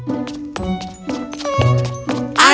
lain kali mereka berbicara